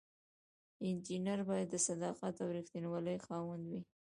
انجینر باید د صداقت او ریښتینولی خاوند وي.